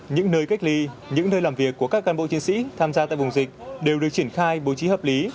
những nơi cách ly những nơi làm việc của các cán bộ chiến sĩ tham gia tại vùng dịch đều được triển khai bố trí hợp lý